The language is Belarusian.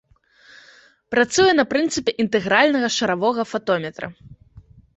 Працуе на прынцыпе інтэгральнага шаравога фатометра.